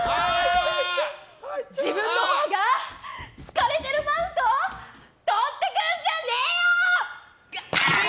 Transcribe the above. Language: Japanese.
自分のほうが疲れてるマウントとってくんじゃねえよー！